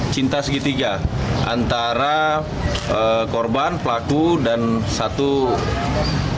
sudah berapa lama yang mau bacaan